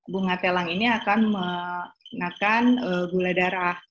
bunga telang ini akan gula darah